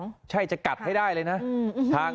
มีภาพจากกล้อมรอบหมาของเพื่อนบ้าน